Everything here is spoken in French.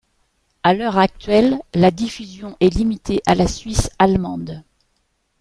À l'heure actuelle, la diffusion est limitée à la Suisse allemande.